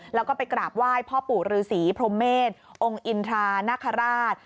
แล้วก็ไปกราบไหว้พ่อปู่ฤษีพรหมเมษองค์อินทรานคราช